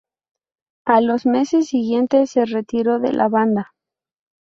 A los meses siguientes se retiró de la banda.